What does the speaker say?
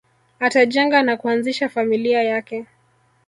Atajenga na kuanzisha familia yake